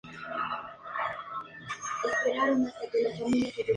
La especie se nombra en honor al Dr. Malcolm McKenna.